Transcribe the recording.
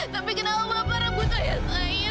tapi kenapa bapak rebut ayah saya